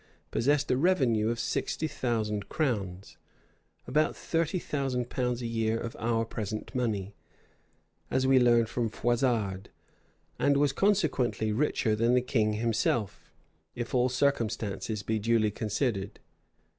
possessed a revenue of sixty thousand crowns, (about thirty thousand pounds a year of our present money,) as we learn from Froissard,[] and was consequently richer than the king himself, if all circumstances be duly considered.